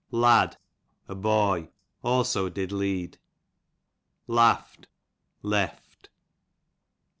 Lad, a boy; also did lead* Laft, lef^.